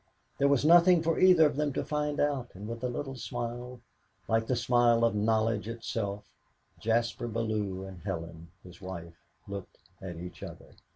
There was nothing for either of them to find out, and with a little smile, like the smile of knowledge itself, Jaspar Bellew and Helen his wife looked at each other.